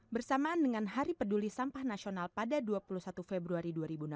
bersamaan dengan hari peduli sampah nasional pada dua puluh satu februari dua ribu enam belas